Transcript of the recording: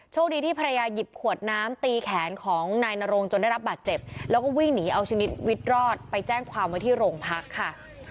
คดีที่ภรรยาหยิบขวดน้ำตีแขนของนายนโรงจนได้รับบาดเจ็บแล้วก็วิ่งหนีเอาชนิดวิทย์รอดไปแจ้งความไว้ที่โรงพักค่ะ